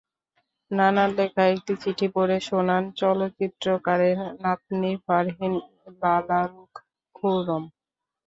নানার লেখা একটি চিঠি পড়ে শোনান চলচ্চিত্রকারের নাতনি ফারহিন লালারুখ খুররম।